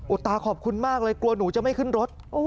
ตาขอบคุณมากเลยกลัวหนูจะไม่ขึ้นรถ